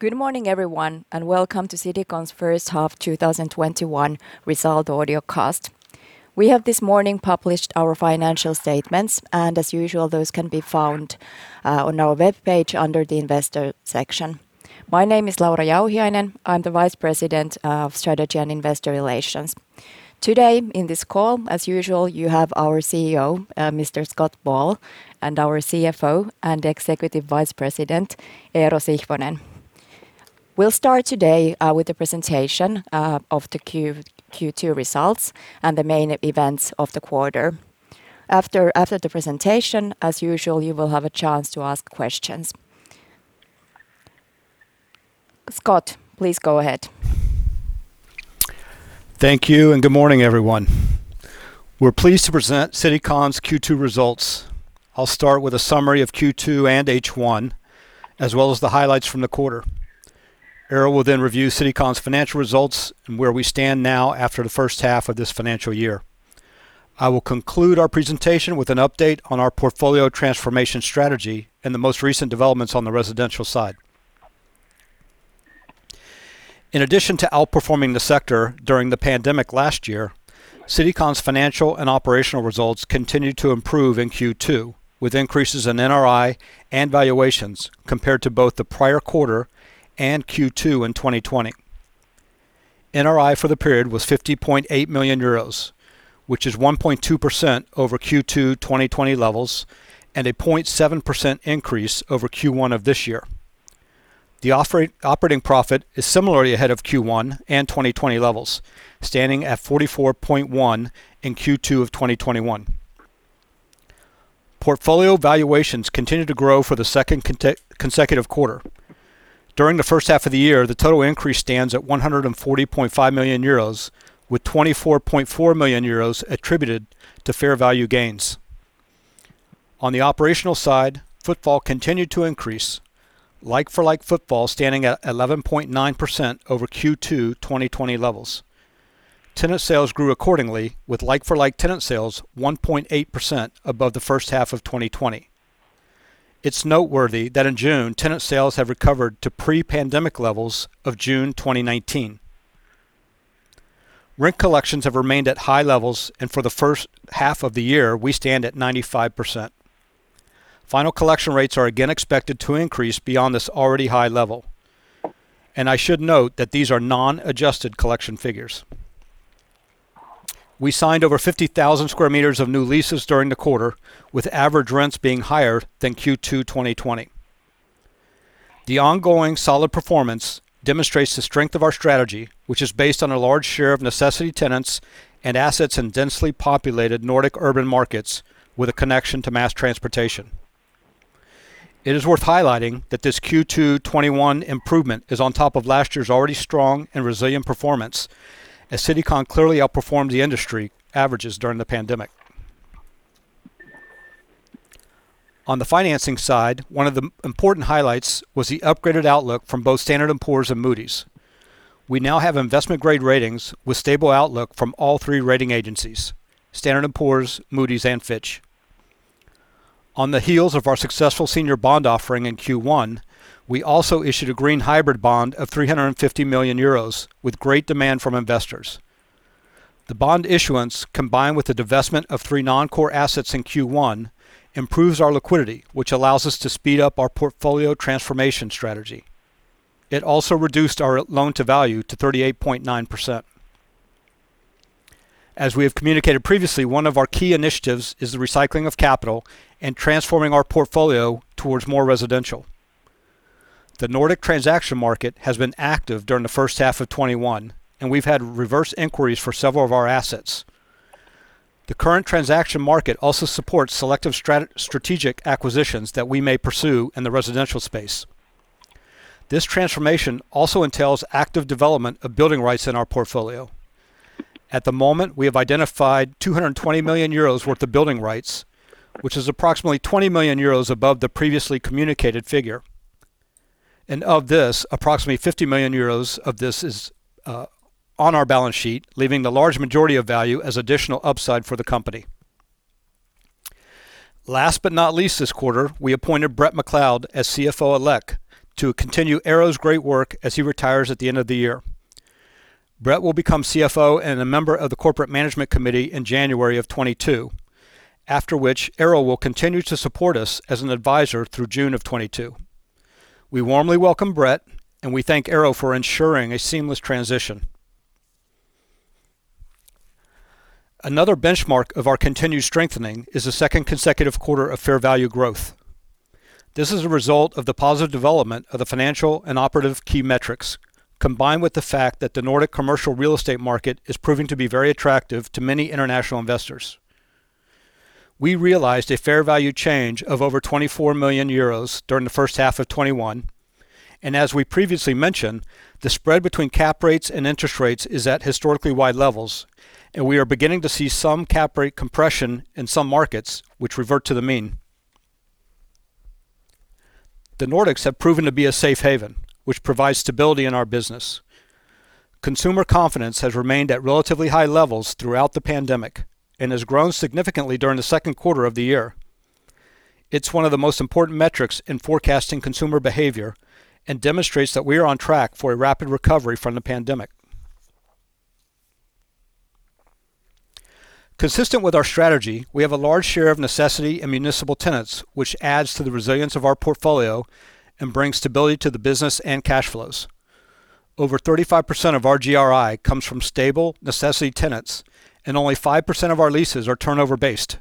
Good morning, everyone, and welcome to Citycon's first half 2021 result audio cast. We have this morning published our financial statements, and as usual, those can be found on our webpage under the investor section. My name is Laura Jauhiainen. I'm the Vice President of Strategy and Investor Relations. Today in this call, as usual, you have our CEO, Mr. Scott Ball, and our CFO and Executive Vice President, Eero Sihvonen. We'll start today with the presentation of the Q2 results and the main events of the quarter. After the presentation, as usual, you will have a chance to ask questions. Scott, please go ahead. Thank you. Good morning, everyone. We're pleased to present Citycon's Q2 results. I'll start with a summary of Q2 and H1, as well as the highlights from the quarter. Eero will review Citycon's financial results and where we stand now after the first half of this financial year. I will conclude our presentation with an update on our portfolio transformation strategy and the most recent developments on the residential side. In addition to outperforming the sector during the pandemic last year, Citycon's financial and operational results continued to improve in Q2, with increases in NRI and valuations compared to both the prior quarter and Q2 in 2020. NRI for the period was 50.8 million euros, which is 1.2% over Q2 2020 levels and a 0.7% increase over Q1 of this year. The operating profit is similarly ahead of Q1 and 2020 levels, standing at 44.1 in Q2 of 2021. Portfolio valuations continued to grow for the second consecutive quarter. During the first half of the year, the total increase stands at 140.5 million euros, with 24.4 million euros attributed to fair value gains. On the operational side, footfall continued to increase. Like-for-like footfall standing at 11.9% over Q2 2020 levels. Tenant sales grew accordingly, with like-for-like tenant sales 1.8% above the first half of 2020. It's noteworthy that in June, tenant sales have recovered to pre-pandemic levels of June 2019. Rent collections have remained at high levels, and for the first half of the year, we stand at 95%. Final collection rates are again expected to increase beyond this already high level. I should note that these are non-adjusted collection figures. We signed over 50,000 sq m of new leases during the quarter, with average rents being higher than Q2 2020. The ongoing solid performance demonstrates the strength of our strategy, which is based on a large share of necessity tenants and assets in densely populated Nordic urban markets with a connection to mass transportation. It is worth highlighting that this Q2 2021 improvement is on top of last year's already strong and resilient performance, as Citycon clearly outperformed the industry averages during the pandemic. On the financing side, one of the important highlights was the upgraded outlook from both Standard & Poor's and Moody's. We now have investment-grade ratings with stable outlook from all three rating agencies, Standard & Poor's, Moody's, and Fitch. On the heels of our successful senior bond offering in Q1, we also issued a green hybrid bond of 350 million euros with great demand from investors. The bond issuance, combined with the divestment of three non-core assets in Q1, improves our liquidity, which allows us to speed up our portfolio transformation strategy. It also reduced our loan-to-value to 38.9%. As we have communicated previously, one of our key initiatives is the recycling of capital and transforming our portfolio towards more residential. The Nordic transaction market has been active during the first half of 2021, and we've had reverse inquiries for several of our assets. The current transaction market also supports selective strategic acquisitions that we may pursue in the residential space. This transformation also entails active development of building rights in our portfolio. At the moment, we have identified 220 million euros worth of building rights, which is approximately 20 million euros above the previously communicated figure. Of this, approximately 50 million euros of this is on our balance sheet, leaving the large majority of value as additional upside for the company. Last but not least this quarter, we appointed Bret McLeod as CFO elect to continue Eero's great work as he retires at the end of the year. Bret will become CFO and a member of the Corporate Management Committee in January of 2022, after which Eero will continue to support us as an advisor through June of 2022. We warmly welcome Bret, and we thank Eero for ensuring a seamless transition. Another benchmark of our continued strengthening is the second consecutive quarter of fair value growth. This is a result of the positive development of the financial and operative key metrics, combined with the fact that the Nordic commercial real estate market is proving to be very attractive to many international investors. We realized a fair value change of over 24 million euros during the first half of 2021. As we previously mentioned, the spread between cap rates and interest rates is at historically wide levels, and we are beginning to see some cap rate compression in some markets which revert to the mean. The Nordics have proven to be a safe haven, which provides stability in our business. Consumer confidence has remained at relatively high levels throughout the pandemic and has grown significantly during the 2nd quarter of the year. It is one of the most important metrics in forecasting consumer behavior and demonstrates that we are on track for a rapid recovery from the pandemic. Consistent with our strategy, we have a large share of necessity and municipal tenants, which adds to the resilience of our portfolio and brings stability to the business and cash flows. Over 35% of our GRI comes from stable necessity tenants, and only 5% of our leases are turnover-based.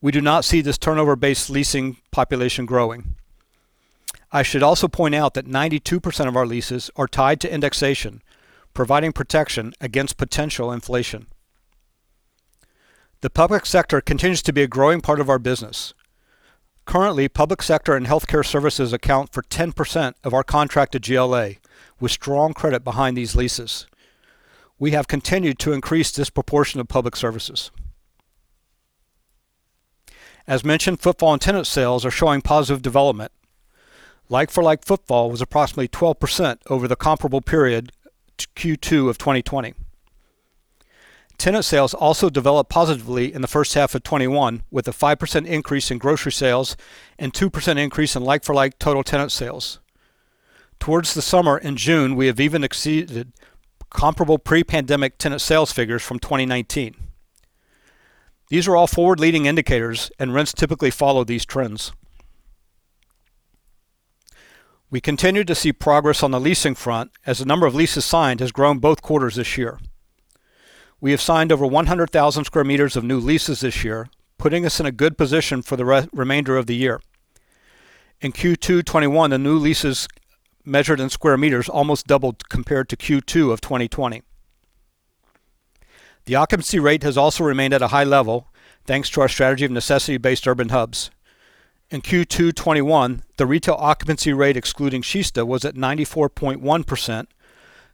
We do not see this turnover-based leasing population growing. I should also point out that 92% of our leases are tied to indexation, providing protection against potential inflation. The public sector continues to be a growing part of our business. Currently, public sector and healthcare services account for 10% of our contracted GLA. With strong credit behind these leases, we have continued to increase this proportion of public services. As mentioned, footfall and tenant sales are showing positive development. like-for-like footfall was approximately 12% over the comparable period to Q2 of 2020. Tenant sales also developed positively in the first half of 2021, with a 5% increase in grocery sales and 2% increase in like-for-like total tenant sales. Towards the summer in June, we have even exceeded comparable pre-pandemic tenant sales figures from 2019. These are all forward-leading indicators. Rents typically follow these trends. We continue to see progress on the leasing front as the number of leases signed has grown both quarters this year. We have signed over 100,000 sq m of new leases this year, putting us in a good position for the remainder of the year. In Q2 2021, the new leases measured in sq m almost doubled compared to Q2 2020. The occupancy rate has also remained at a high level, thanks to our strategy of necessity-based urban hubs. In Q2 2021, the retail occupancy rate excluding Kista was at 94.1%,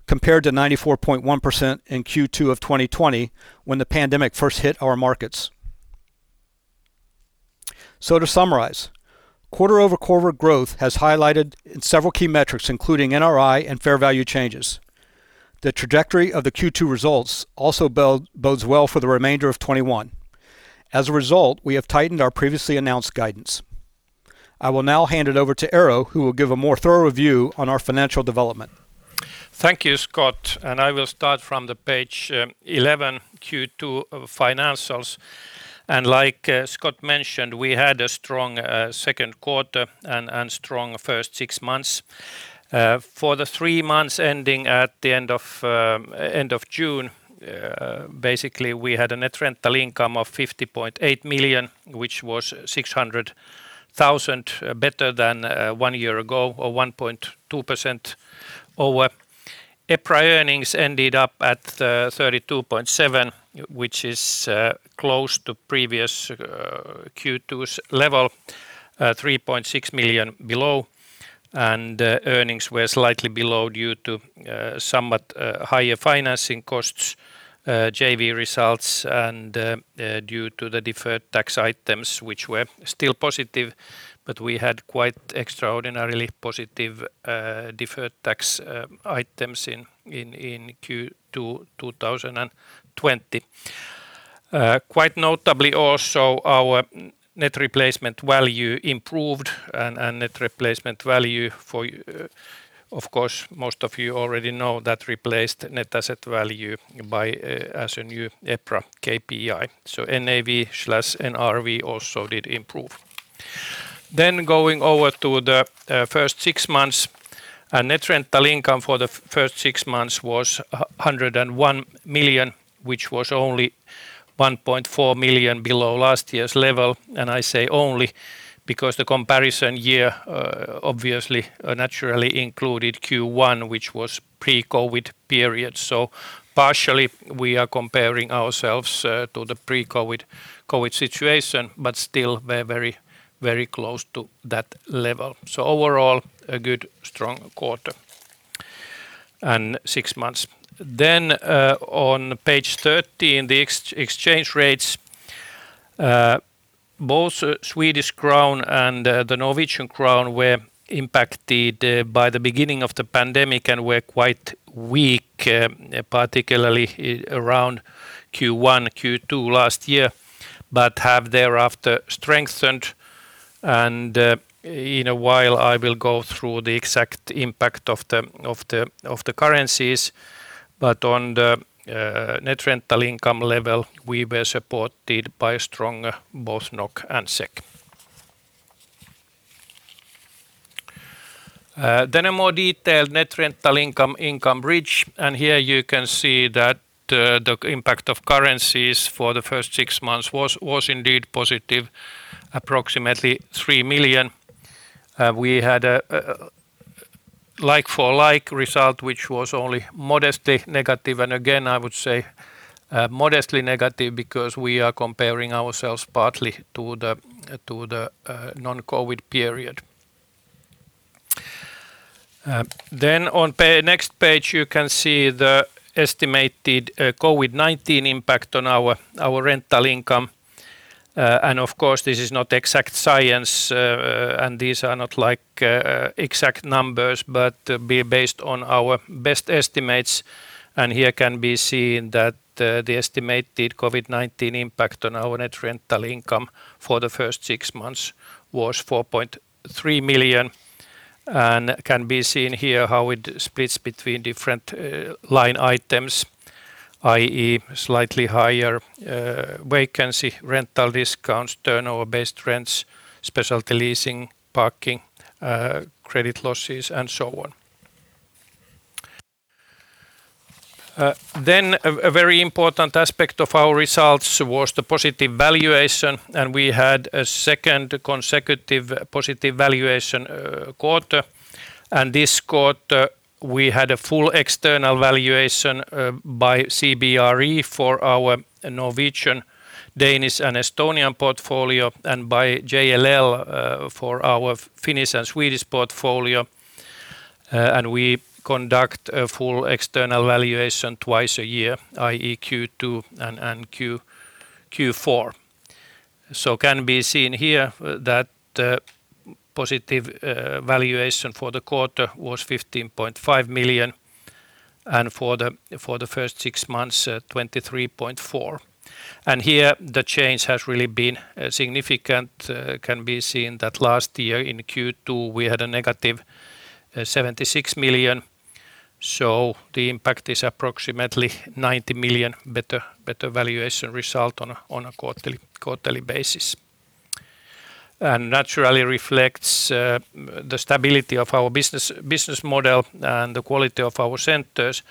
compared to 94.1% in Q2 2020 when the pandemic first hit our markets. To summarize, quarter-over-quarter growth has highlighted in several key metrics, including NRI and fair value changes. The trajectory of the Q2 results also bodes well for the remainder of 2021. As a result, we have tightened our previously announced guidance. I will now hand it over to Eero, who will give a more thorough view on our financial development. Thank you, Scott. I will start from the page 11 Q2 financials. Like Scott mentioned, we had a strong 2nd quarter and strong first six months. For the three months ending at the end of June, basically, we had a net rental income of 50.8 million, which was 600,000 better than one year ago or 1.2% over. EPRA earnings ended up at 32.7 million, which is close to previous Q2's level, 3.6 million below. Earnings were slightly below due to somewhat higher financing costs, JV results, and due to the deferred tax items, which were still positive, but we had quite extraordinarily positive deferred tax items in Q2 2020. Quite notably also, our net replacement value improved. Net replacement value, of course, most of you already know that replaced net asset value as a new EPRA KPI. NAV/NRV also did improve. Going over to the first six months. Net rental income for the first six months was 101 million, which was only 1.4 million below last year's level. I say only because the comparison year obviously naturally included Q1, which was pre-COVID period. Partially, we are comparing ourselves to the pre-COVID situation, but still we're very close to that level. Overall, a good strong quarter and six months. On page 13, the exchange rates. Both Swedish krona and the Norwegian krone were impacted by the beginning of the pandemic and were quite weak, particularly around Q1, Q2 last year, but have thereafter strengthened. In a while, I will go through the exact impact of the currencies. On the net rental income level, we were supported by strong both NOK and SEK. A more detailed net rental income bridge. Here you can see that the impact of currencies for the first six months was indeed positive, approximately 3 million. We had a like-for-like result, which was only modestly negative. Again, I would say modestly negative because we are comparing ourselves partly to the non-COVID period. On next page, you can see the estimated COVID-19 impact on our rental income. Of course, this is not exact science, and these are not exact numbers, but based on our best estimates. Here can be seen that the estimated COVID-19 impact on our net rental income for the first six months was 4.3 million, and can be seen here how it splits between different line items, i.e., slightly higher vacancy, rental discounts, turnover-based rents, specialty leasing, parking, credit losses, and so on. A very important aspect of our results was the positive valuation, we had a 2nd consecutive positive valuation quarter. This quarter we had a full external valuation by CBRE for our Norwegian, Danish, and Estonian portfolio, by JLL for our Finnish and Swedish portfolio. We conduct a full external valuation 2 times a year, i.e., Q2 and Q4. Can be seen here that positive valuation for the quarter was 15.5 million, for the first 6 months, 23.4 million. Here the change has really been significant. Can be seen that last year in Q2, we had a -76 million. The impact is approximately 90 million better valuation result on a quarterly basis. Naturally reflects the stability of our business model and the quality of our centers,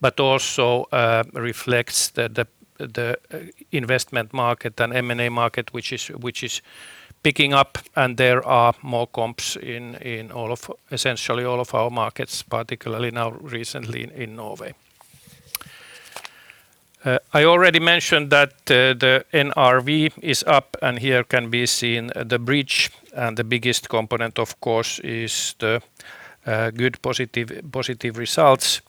but also reflects the investment market and M&A market, which is picking up, and there are more comps in essentially all of our markets, particularly now recently in Norway. I already mentioned that the NRV is up, and here can be seen the bridge. The biggest component, of course, is the good positive results.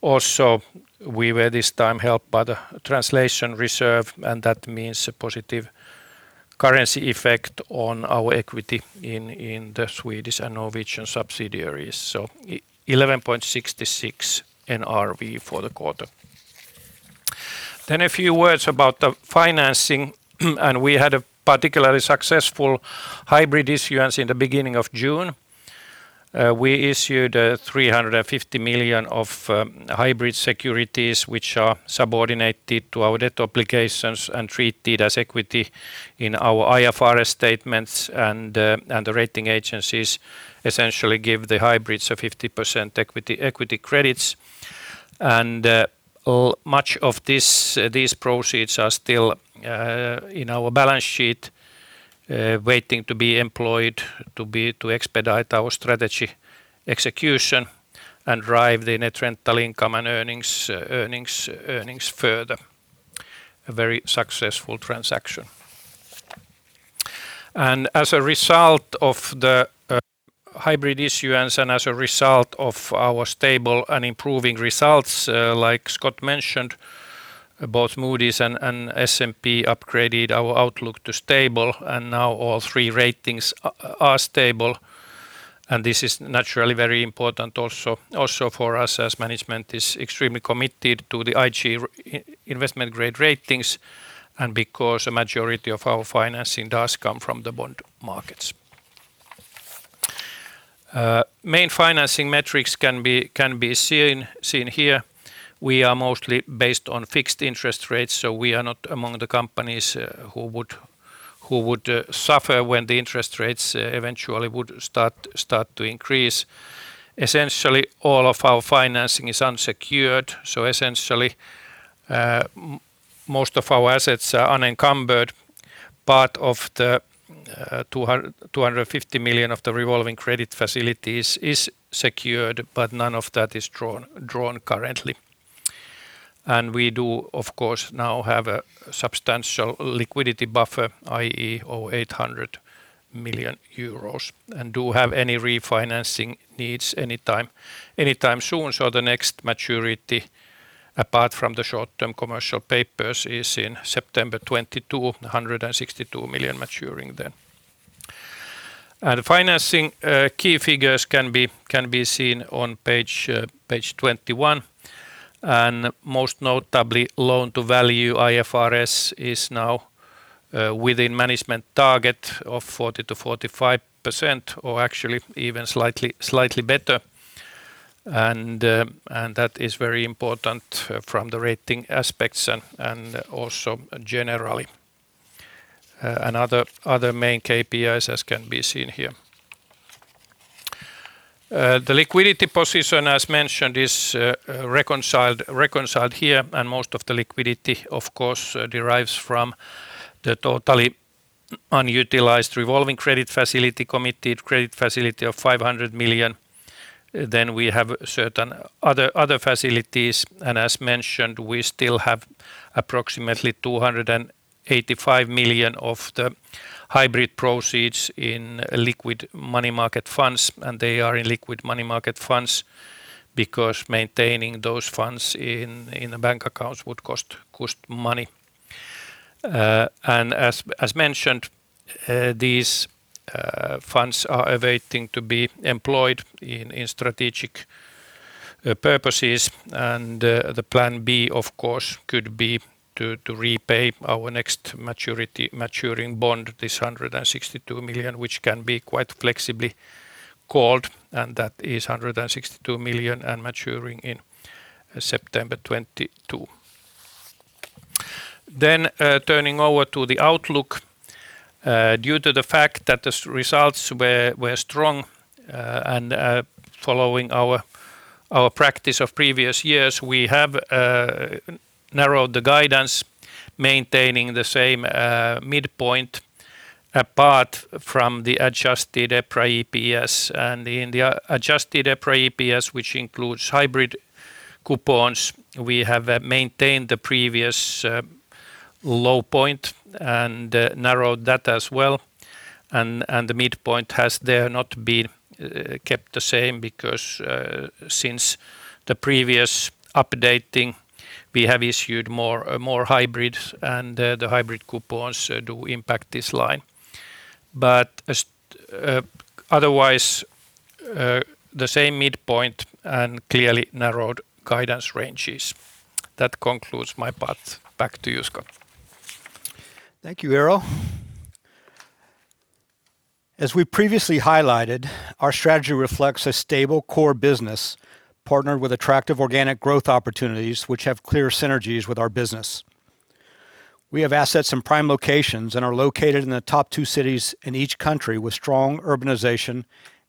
Also, we were this time helped by the translation reserve, and that means a positive currency effect on our equity in the Swedish and Norwegian subsidiaries. 11.66 NRV for the quarter. A few words about the financing. We had a particularly successful hybrid issuance in the beginning of June. We issued 350 million of hybrid securities, which are subordinated to our debt obligations and treated as equity in our IFRS statements. The rating agencies essentially give the hybrids a 50% equity credits. Much of these proceeds are still in our balance sheet, waiting to be employed to expedite our strategy execution and drive the net rental income and earnings further. A very successful transaction. As a result of the hybrid issuance and as a result of our stable and improving results, like Scott mentioned, both Moody's and S&P upgraded our outlook to stable, and now all three ratings are stable. This is naturally very important also for us, as management is extremely committed to the IG investment-grade ratings and because a majority of our financing does come from the bond markets. Main financing metrics can be seen here. We are mostly based on fixed interest rates, so we are not among the companies who would suffer when the interest rates eventually would start to increase. Essentially, all of our financing is unsecured, so essentially, most of our assets are unencumbered. Part of the 250 million of the revolving credit facilities is secured, but none of that is drawn currently. We do, of course, now have a substantial liquidity buffer, i.e., 800 million euros, and don't have any refinancing needs anytime soon. The next maturity, apart from the short-term commercial papers, is in September 2022, 162 million maturing then. Financing key figures can be seen on page 21. Most notably, loan-to-value IFRS is now within management target of 40%-45%, or actually even slightly better. That is very important from the rating aspects and also generally. Other main KPIs as can be seen here. The liquidity position, as mentioned, is reconciled here, and most of the liquidity, of course, derives from the totally unutilized revolving credit facility, committed credit facility of 500 million. We have certain other facilities, and as mentioned, we still have approximately 285 million of the Hybrid proceeds in liquid money market funds, and they are in liquid money market funds because maintaining those funds in bank accounts would cost money. As mentioned, these funds are awaiting to be employed in strategic purposes, and the plan B, of course, could be to repay our next maturing bond, this 162 million, which can be quite flexibly called, and that is 162 million and maturing in September 2022. Turning over to the outlook. Due to the fact that the results were strong, following our practice of previous years, we have narrowed the guidance, maintaining the same midpoint apart from the adjusted EPRA EPS. In the adjusted EPRA EPS, which includes hybrid coupons, we have maintained the previous low point and narrowed that as well. The midpoint has there not been kept the same because, since the previous updating, we have issued more hybrids, and the hybrid coupons do impact this line. Otherwise, the same midpoint and clearly narrowed guidance ranges. That concludes my part. Back to you, Scott. Thank you, Eero. As we previously highlighted, our strategy reflects a stable core business partnered with attractive organic growth opportunities which have clear synergies with our business. We have assets in prime locations and are located in the top 2 cities in each country with strong urbanization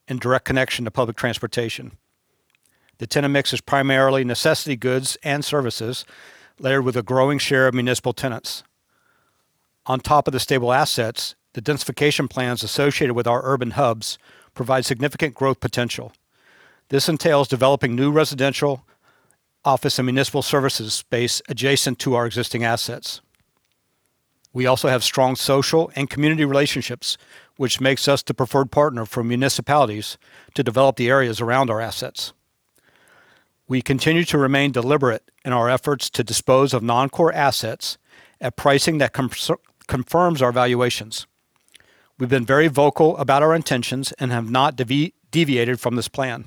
and direct connection to public transportation. The tenant mix is primarily necessity goods and services, layered with a growing share of municipal tenants. On top of the stable assets, the densification plans associated with our urban hubs provide significant growth potential. This entails developing new residential, office, and municipal services space adjacent to our existing assets. We also have strong social and community relationships, which makes us the preferred partner for municipalities to develop the areas around our assets. We continue to remain deliberate in our efforts to dispose of non-core assets at pricing that confirms our valuations. We've been very vocal about our intentions and have not deviated from this plan.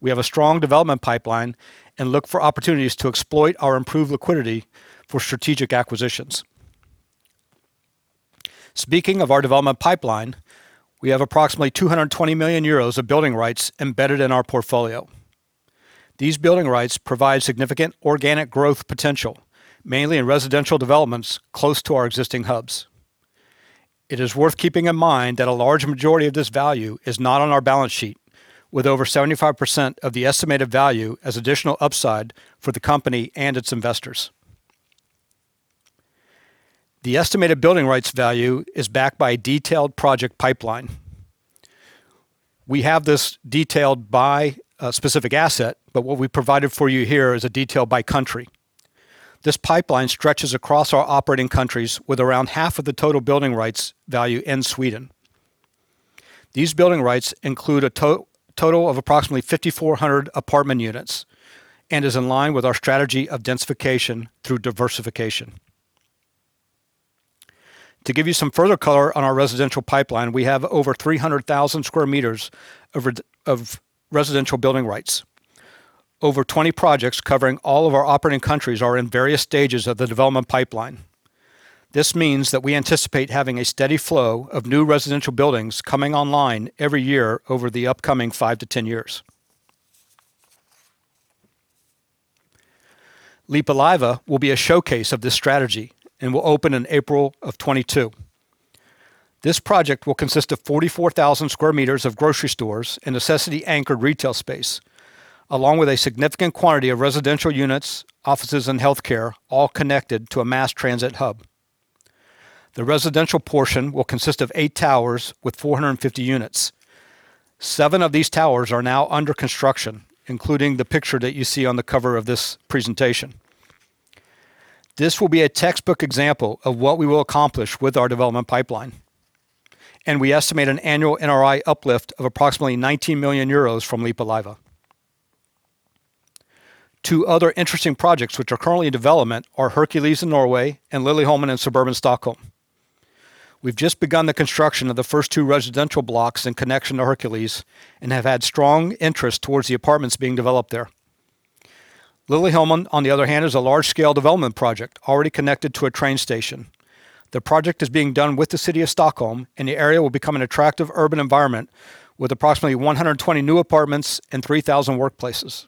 We have a strong development pipeline and look for opportunities to exploit our improved liquidity for strategic acquisitions. Speaking of our development pipeline, we have approximately 220 million euros of building rights embedded in our portfolio. These building rights provide significant organic growth potential, mainly in residential developments close to our existing hubs. It is worth keeping in mind that a large majority of this value is not on our balance sheet, with over 75% of the estimated value as additional upside for the company and its investors. The estimated building rights value is backed by a detailed project pipeline. We have this detailed by specific asset, but what we provided for you here is a detail by country. This pipeline stretches across our operating countries with around half of the total building rights value in Sweden. These building rights include a total of approximately 5,400 apartment units and is in line with our strategy of densification through diversification. To give you some further color on our residential pipeline, we have over 300,000 sq m of residential building rights. Over 20 projects covering all of our operating countries are in various stages of the development pipeline. This means that we anticipate having a steady flow of new residential buildings coming online every year over the upcoming 5-10 years. Lippulaiva will be a showcase of this strategy and will open in April of 2022. This project will consist of 44,000 sq m of grocery stores and necessity-anchored retail space, along with a significant quantity of residential units, offices, and healthcare, all connected to a mass transit hub. The residential portion will consist of 8 towers with 450 units. 7 of these towers are now under construction, including the picture that you see on the cover of this presentation. This will be a textbook example of what we will accomplish with our development pipeline, and we estimate an annual NRI uplift of approximately 19 million euros from Lippulaiva. 2 other interesting projects which are currently in development are Herkules in Norway and Liljeholmen in suburban Stockholm. We've just begun the construction of the first 2 residential blocks in connection to Herkules and have had strong interest towards the apartments being developed there. Liljeholmen, on the other hand, is a large-scale development project already connected to a train station. The project is being done with the City of Stockholm, and the area will become an attractive urban environment with approximately 120 new apartments and 3,000 workplaces.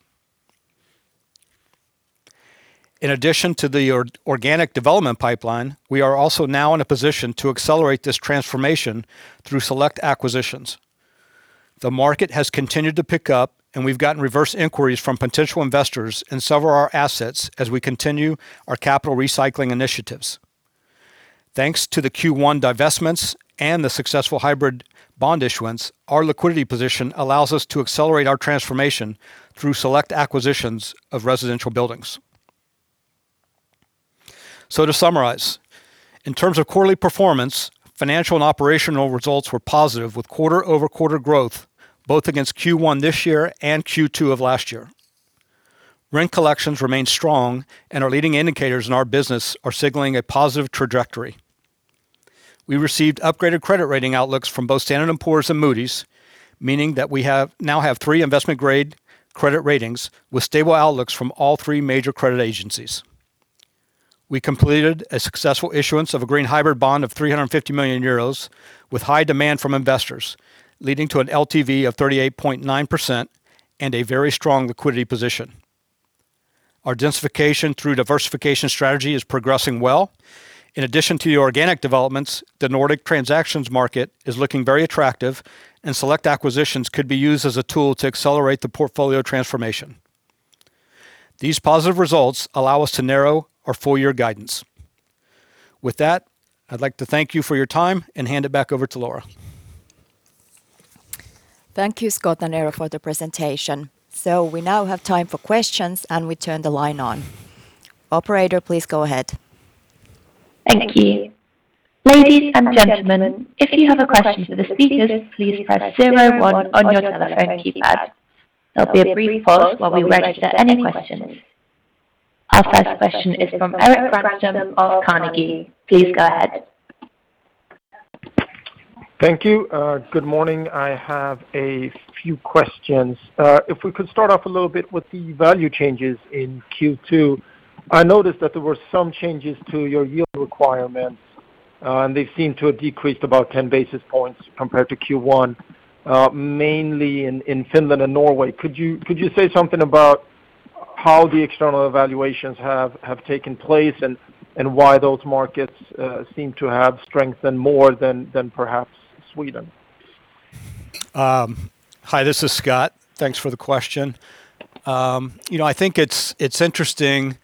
In addition to the organic development pipeline, we are also now in a position to accelerate this transformation through select acquisitions. The market has continued to pick up, and we've gotten reverse inquiries from potential investors in several of our assets as we continue our capital recycling initiatives. Thanks to the Q1 divestments and the successful hybrid bond issuance, our liquidity position allows us to accelerate our transformation through select acquisitions of residential buildings. To summarize, in terms of quarterly performance, financial and operational results were positive with quarter-over-quarter growth both against Q1 this year and Q2 of last year. Rent collections remained strong, and our leading indicators in our business are signaling a positive trajectory. We received upgraded credit rating outlooks from both Standard & Poor's and Moody's, meaning that we now have 3 investment-grade credit ratings with stable outlooks from all 3 major credit agencies. We completed a successful issuance of a green hybrid bond of 350 million euros, with high demand from investors, leading to an LTV of 38.9% and a very strong liquidity position. Our densification through diversification strategy is progressing well. In addition to the organic developments, the Nordic transactions market is looking very attractive, and select acquisitions could be used as a tool to accelerate the portfolio transformation. These positive results allow us to narrow our full-year guidance. With that, I'd like to thank you for your time and hand it back over to Laura. Thank you, Scott and Eero, for the presentation. We now have time for questions, and we turn the line on. Operator, please go ahead. Thank you. Ladies and gentlemen. if you have a question for the speaker, please press zero one on your telephone keypad. There'll be a brief pause while we register any questions. Our first question is from Erik Granström of Carnegie. Please go ahead. Thank you. Good morning. I have a few questions. If we could start off a little bit with the value changes in Q2. I noticed that there were some changes to your yield requirements, and they seem to have decreased about 10 basis points compared to Q1, mainly in Finland and Norway. Could you say something about how the external evaluations have taken place, and why those markets seem to have strengthened more than perhaps Sweden? Hi, this is Scott. Thanks for the question. I think it's interesting.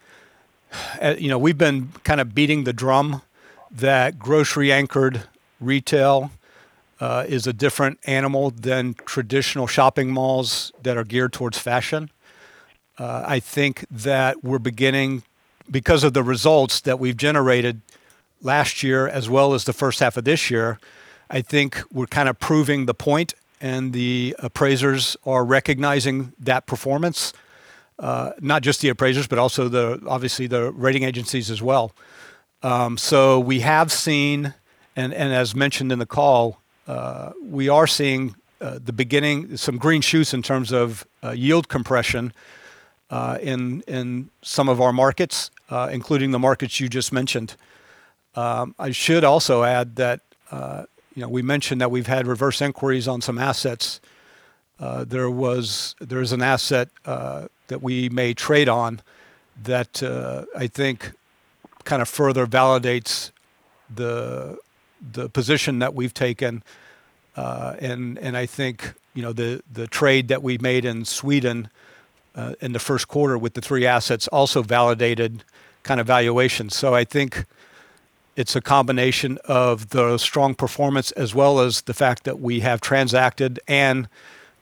We've been kind of beating the drum that grocery-anchored retail is a different animal than traditional shopping malls that are geared towards fashion. I think that we're beginning, because of the results that we've generated last year as well as the first half of this year, I think we're kind of proving the point, and the appraisers are recognizing that performance. Not just the appraisers, but also, obviously, the rating agencies as well. We have seen, and as mentioned in the call, we are seeing the beginning, some green shoots in terms of yield compression in some of our markets, including the markets you just mentioned. I should also add that we mentioned that we've had reverse inquiries on some assets. There is an asset that we may trade on that I think kind of further validates the position that we've taken, and I think the trade that we made in Sweden in the first quarter with the three assets also validated valuation. I think it's a combination of the strong performance as well as the fact that we have transacted and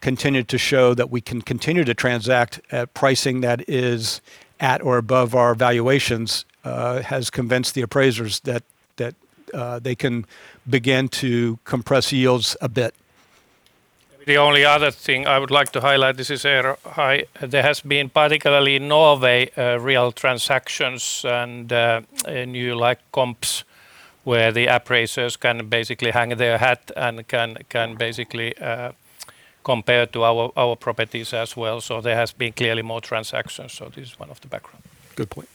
continued to show that we can continue to transact at pricing that is at or above our valuations has convinced the appraisers that they can begin to compress yields a bit. The only other thing I would like to highlight, this is Eero. Hi. There has been particularly in Norway real transactions and new like comps where the appraisers can basically hang their hat and can basically compare to our properties as well. There has been clearly more transactions. This is one of the background. Good point.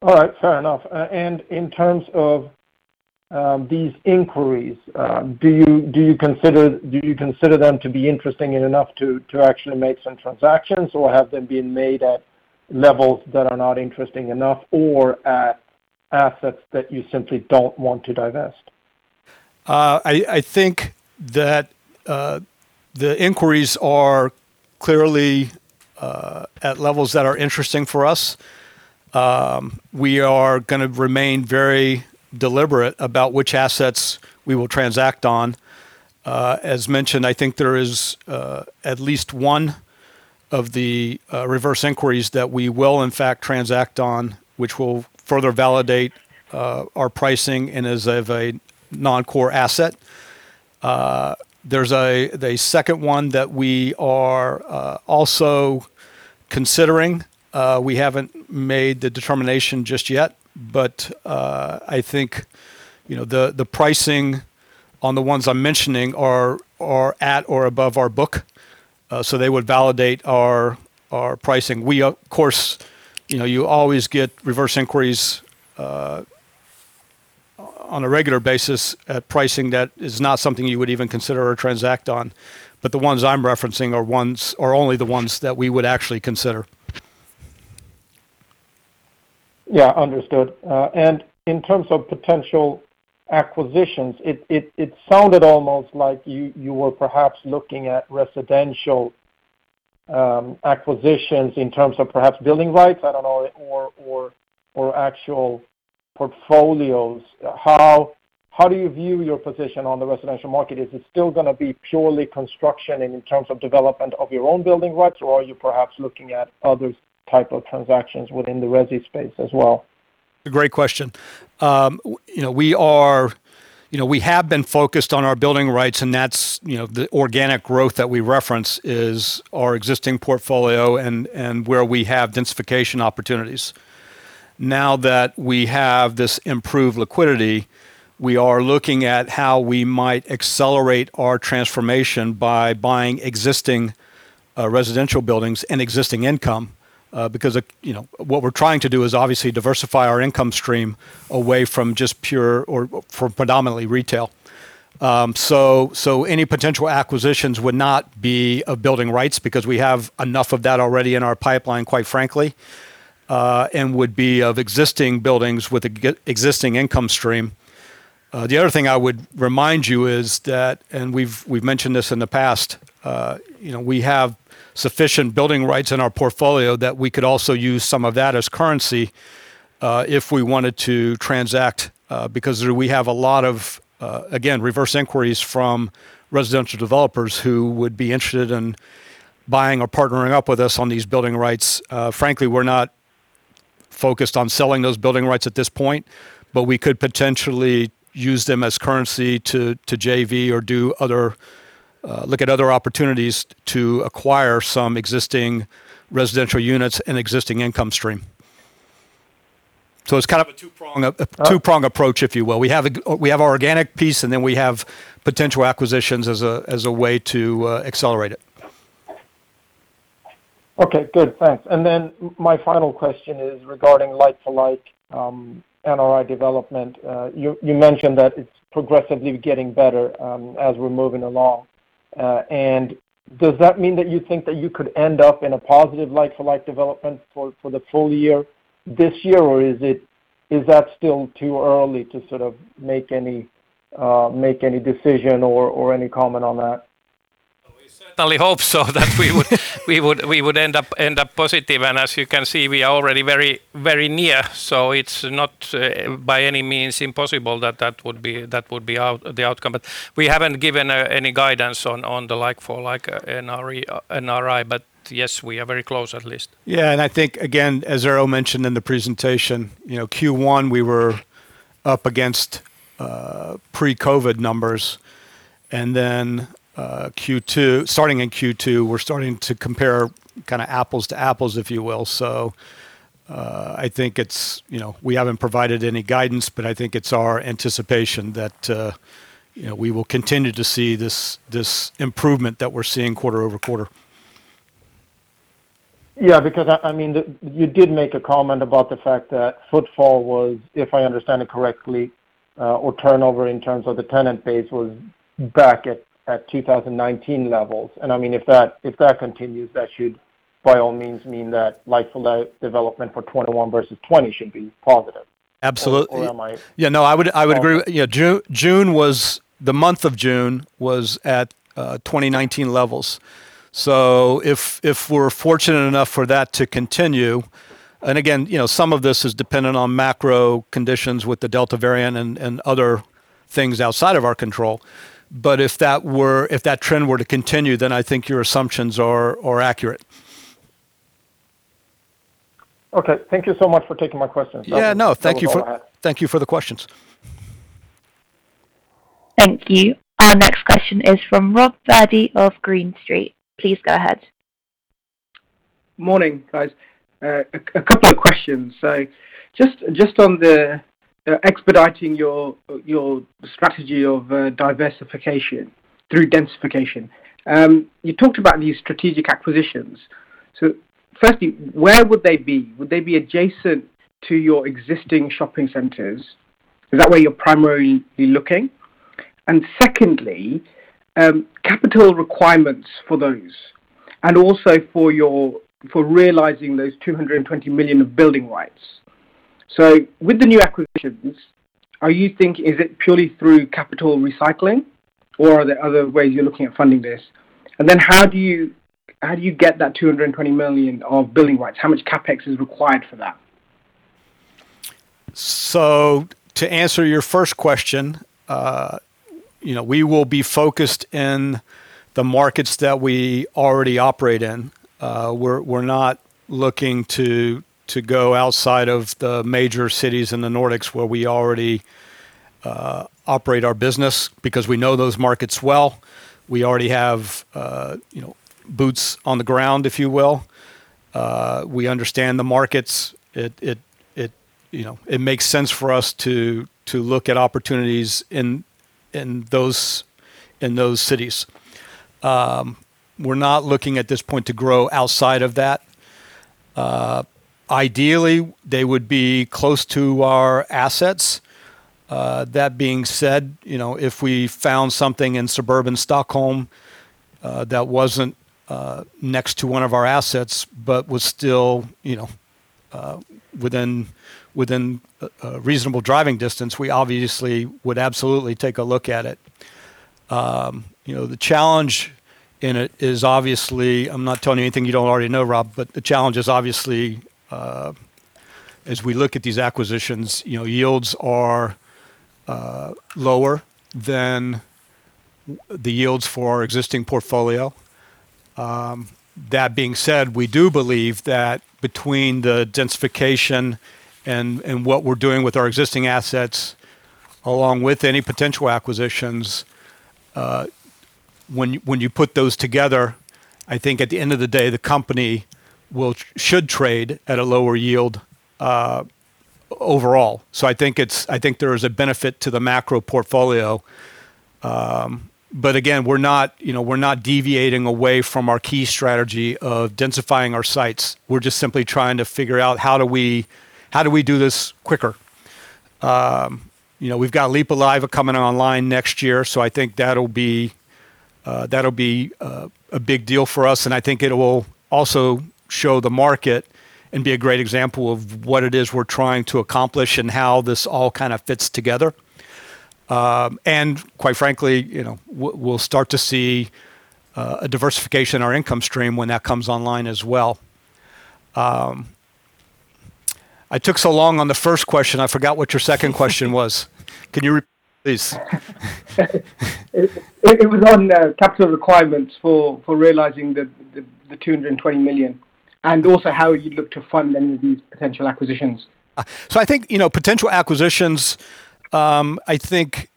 All right. Fair enough. In terms of these inquiries, do you consider them to be interesting and enough to actually make some transactions, or have they been made at levels that are not interesting enough, or at assets that you simply don't want to divest? I think that the inquiries are clearly at levels that are interesting for us. We are going to remain very deliberate about which assets we will transact on. As mentioned, I think there is at least one of the reverse inquiries that we will in fact transact on, which will further validate our pricing and is of a non-core asset. There's a second one that we are also considering. We haven't made the determination just yet, I think the pricing on the ones I'm mentioning are at or above our book. They would validate our pricing. We of course, you always get reverse inquiries on a regular basis at pricing that is not something you would even consider or transact on. The ones I'm referencing are only the ones that we would actually consider. Yeah. Understood. In terms of potential acquisitions, it sounded almost like you were perhaps looking at residential acquisitions in terms of perhaps building rights, I don't know, or actual portfolios. How do you view your position on the residential market? Is it still going to be purely construction in terms of development of your own building rights, or are you perhaps looking at other types of transactions within the resi space as well? Great question. We have been focused on our building rights, and the organic growth that we reference is our existing portfolio and where we have densification opportunities. Now that we have this improved liquidity, we are looking at how we might accelerate our transformation by buying existing residential buildings and existing income. What we're trying to do is obviously diversify our income stream away from predominantly retail. Any potential acquisitions would not be of building rights, because we have enough of that already in our pipeline, quite frankly, and would be of existing buildings with existing income stream. The other thing I would remind you is that, and we've mentioned this in the past, we have sufficient building rights in our portfolio that we could also use some of that as currency, if we wanted to transact, because we have a lot of, again, reverse inquiries from residential developers who would be interested in buying or partnering up with us on these building rights. Frankly, we're not focused on selling those building rights at this point, but we could potentially use them as currency to JV or look at other opportunities to acquire some existing residential units and existing income stream. It's kind of a two-prong approach, if you will. We have our organic piece, and then we have potential acquisitions as a way to accelerate it. Okay, good. Thanks. My final question is regarding like-for-like NRI development. You mentioned that it's progressively getting better as we're moving along. Does that mean that you think that you could end up in a positive like-for-like development for the full year this year, or is that still too early to sort of make any decision or any comment on that? Well, we certainly hope so, that we would end up positive. As you can see, we are already very near, so it's not by any means impossible that that would be the outcome. We haven't given any guidance on the like-for-like NRI. Yes, we are very close at least. I think, again, as Eero mentioned in the presentation, Q1, we were up against pre-COVID numbers, then starting in Q2, we're starting to compare kind of apples to apples, if you will. We haven't provided any guidance, but I think it's our anticipation that we will continue to see this improvement that we're seeing quarter-over-quarter. Yeah, because you did make a comment about the fact that footfall was, if I understand it correctly, or turnover in terms of the tenant base was back at 2019 levels. If that continues, that should by all means mean that like-for-like development for 2021 versus 2020 should be positive. Absolutely. Or am I- Yeah, no, I would agree. Yeah. The month of June was at 2019 levels. If we're fortunate enough for that to continue, and again, some of this is dependent on macro conditions with the Delta variant and other things outside of our control, but if that trend were to continue, then I think your assumptions are accurate. Okay. Thank you so much for taking my questions. Yeah. No. Thank you for the questions. Thank you. Our next question is from Robbie Virdee of Green Street. Please go ahead. Morning, guys. A couple of questions. Just on the expediting your strategy of diversification through densification. You talked about new strategic acquisitions. Firstly, where would they be? Would they be adjacent to your existing shopping centers? Is that where you're primarily looking? Secondly, capital requirements for those, and also for realizing those 220 million of building rights. With the new acquisitions, is it purely through capital recycling, or are there other ways you're looking at funding this? How do you get that 220 million of building rights? How much CapEx is required for that? To answer your first question, we will be focused in the markets that we already operate in. We're not looking to go outside of the major cities in the Nordics where we already operate our business, because we know those markets well. We already have boots on the ground, if you will. We understand the markets. It makes sense for us to look at opportunities in those cities. We're not looking at this point to grow outside of that. Ideally, they would be close to our assets. That being said, if we found something in suburban Stockholm that wasn't next to one of our assets, but was still within reasonable driving distance, we obviously would absolutely take a look at it. The challenge in it is obviously, I'm not telling you anything you don't already know, Rob, but the challenge is obviously, as we look at these acquisitions, yields are lower than the yields for our existing portfolio. That being said, we do believe that between the densification and what we're doing with our existing assets, along with any potential acquisitions, when you put those together, I think at the end of the day, the company should trade at a lower yield overall. I think there is a benefit to the macro portfolio. Again, we're not deviating away from our key strategy of densifying our sites. We're just simply trying to figure out how do we do this quicker. We've got Lippulaiva coming online next year, so I think that'll be a big deal for us, and I think it will also show the market and be a great example of what it is we're trying to accomplish and how this all kind of fits together. Quite frankly, we'll start to see a diversification in our income stream when that comes online as well. I took so long on the first question, I forgot what your second question was. Can you repeat, please? It was on the capital requirements for realizing the 220 million, and also how you'd look to fund any of these potential acquisitions. I think, potential acquisitions, I think,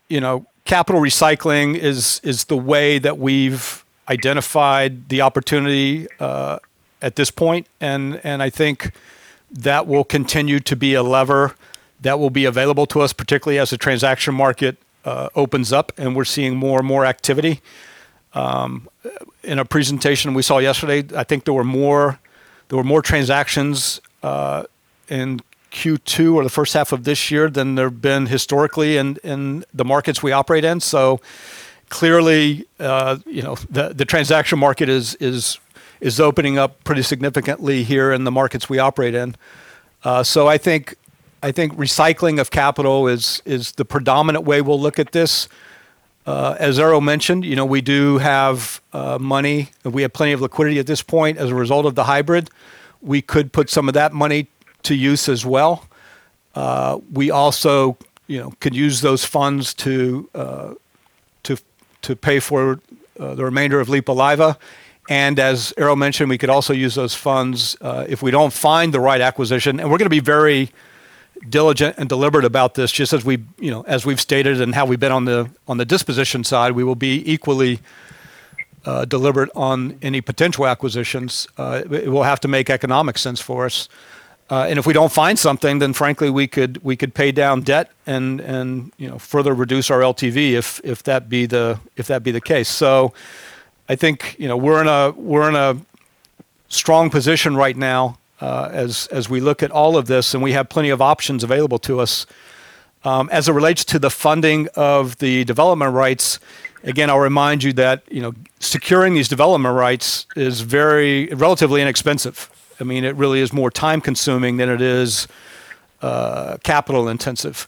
capital recycling is the way that we've identified the opportunity at this point, and I think that will continue to be a lever that will be available to us, particularly as the transaction market opens up and we're seeing more and more activity. In a presentation we saw yesterday, I think there were more transactions in Q2 or the first half of this year than there have been historically in the markets we operate in. Clearly, the transaction market is opening up pretty significantly here in the markets we operate in. I think recycling of capital is the predominant way we'll look at this. As Eero mentioned, we do have money. We have plenty of liquidity at this point as a result of the hybrid. We could put some of that money to use as well. We also could use those funds to pay for the remainder of Lippulaiva. As Eero mentioned, we could also use those funds, if we don't find the right acquisition, and we're going to be very diligent and deliberate about this, just as we've stated and how we've been on the disposition side, we will be equally deliberate on any potential acquisitions. It will have to make economic sense for us. If we don't find something, then frankly, we could pay down debt and further reduce our LTV, if that be the case. I think, we're in a strong position right now as we look at all of this, and we have plenty of options available to us. As it relates to the funding of the development rights, again, I'll remind you that securing these development rights is relatively inexpensive. I mean, it really is more time-consuming than it is capital-intensive.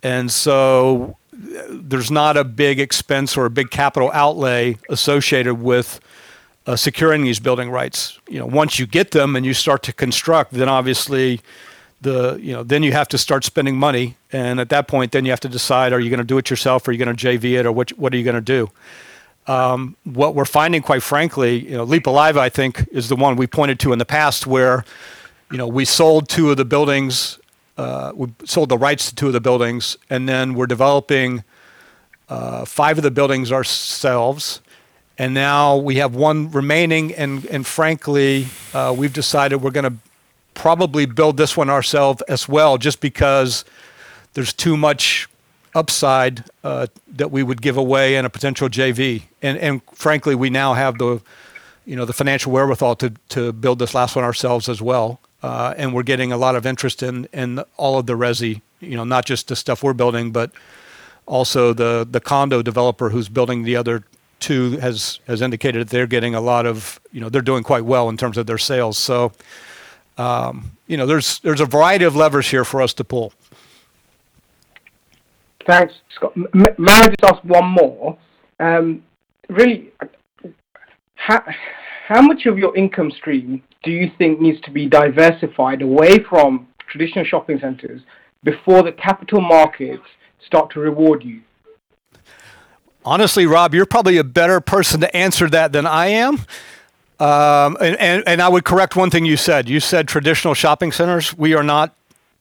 There's not a big expense or a big capital outlay associated with securing these building rights. Once you get them and you start to construct, then obviously, then you have to start spending money, and at that point, then you have to decide, are you going to do it yourself, or are you going to JV it, or what are you going to do? What we're finding, quite frankly, Lippulaiva, I think, is the one we pointed to in the past, where we sold the rights to 2 of the buildings, and then we're developing 5 of the buildings ourselves. Now we have 1 remaining, and frankly, we've decided we're going to probably build this 1 ourselves as well, just because there's too much upside that we would give away in a potential JV. Frankly, we now have the financial wherewithal to build this last one ourselves as well. We're getting a lot of interest in all of the resi, not just the stuff we're building, but also the condo developer who's building the other two has indicated that they're doing quite well in terms of their sales. There's a variety of levers here for us to pull. Thanks, Scott. May I just ask one more? How much of your income stream do you think needs to be diversified away from traditional shopping centers before the capital markets start to reward you? Honestly, Rob, you're probably a better person to answer that than I am. I would correct one thing you said. You said traditional shopping centers. We are not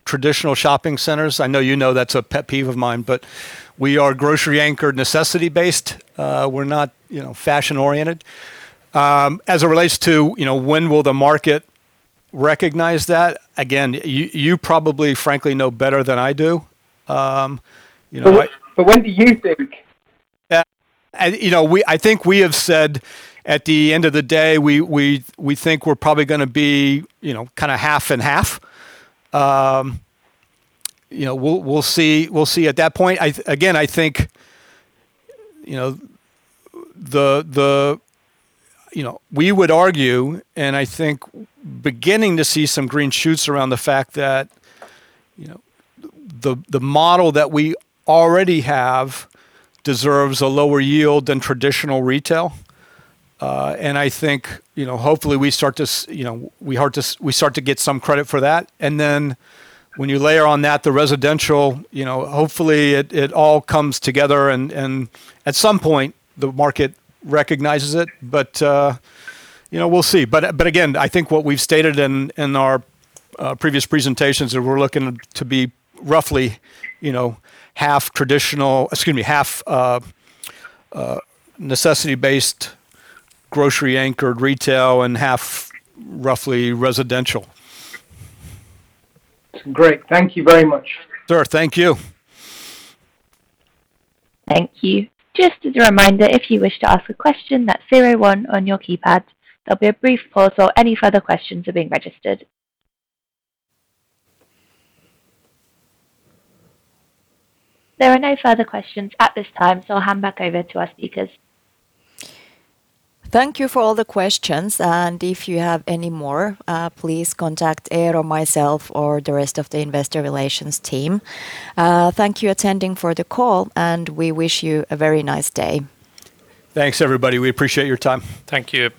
traditional shopping centers. I know you know that's a pet peeve of mine, but we are grocery-anchored, necessity-based. We're not fashion-oriented. As it relates to when will the market recognize that, again, you probably frankly know better than I do. When do you think? I think we have said at the end of the day, we think we're probably going to be kind of half and half. We'll see at that point. We would argue, and I think beginning to see some green shoots around the fact that the model that we already have deserves a lower yield than traditional retail. I think, hopefully we start to get some credit for that. When you layer on that, the residential, hopefully it all comes together and at some point, the market recognizes it, but we'll see. I think what we've stated in our previous presentations is we're looking to be roughly half necessity-based, grocery-anchored retail and half roughly residential. Great. Thank you very much. Sure. Thank you. Thank you. Just a reminder, if you wish to ask a question, then zero oneon your keypad. There'll be a brief pause while any further questions are being registered. There are no further questions at this time, so I'll hand back over to our speakers. Thank you for all the questions, and if you have any more, please contact Eero, myself, or the rest of the investor relations team. Thank you attending for the call, and we wish you a very nice day. Thanks, everybody. We appreciate your time. Thank you.